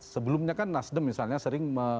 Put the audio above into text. sebelumnya kan nasdem misalnya sering